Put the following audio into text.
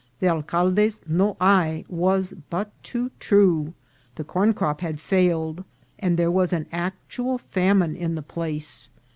The alcalde's " no hay" was but too true ; the corn crop had failed, and there was an actual famine in the place.